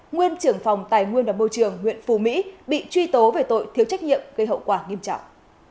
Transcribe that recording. nguyên trưởng phòng tài nguyên đồng bầu trường huyện phủ mỹ bị truy tố về tội thiếu trách nhiệm gây hậu quả nghiêm trọng